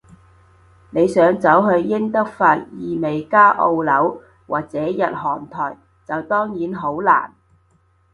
你想走去英德法意美加澳紐，或者日韓台，就當然好難